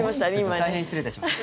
大変失礼いたしました。